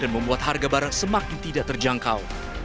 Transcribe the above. dan membuat harga barat semakin tidak terjangkau